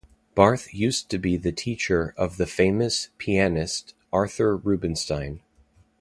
Barth used to be the teacher of the famous pianist Arthur Rubinstein.